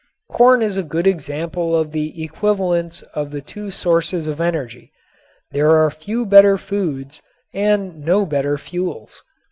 Corn is a good example of the equivalence of the two sources of energy. There are few better foods and no better fuels.